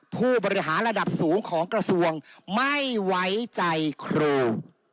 ผู้บริหารระดับสูงของกระทรวงไม่ไว้ใจครู